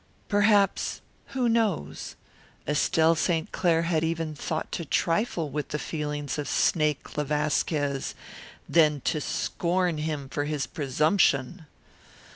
Perhaps who knows? Estelle St. Clair had even thought to trifle with the feelings of Snake le Vasquez, then to scorn him for his presumption.